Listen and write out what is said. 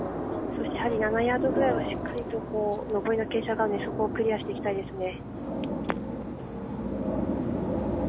そして７ヤードぐらいはしっかりと上りの傾斜があるのでそこをクリアしていきたいですね。